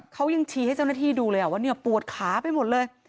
เขายังชี้ให้เจ้าหน้าที่ดูเลยว่าเนี่ยปวดขาไปหมดเลย